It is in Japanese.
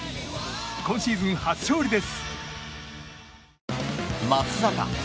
今シーズン初勝利です。